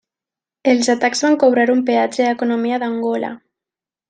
Els atacs van cobrar un peatge a economia d'Angola.